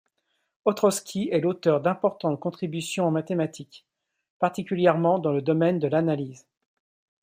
Ostrowski est l'auteur d'importantes contributions en mathématiques, particulièrement dans le domaine de l'analyse.